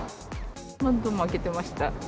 窓も開けてました。